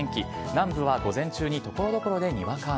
南部は午前中にところどころでにわか雨。